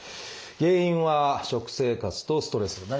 原因は食生活とストレス。